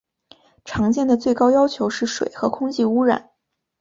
常见的最高要求是水和空气污染。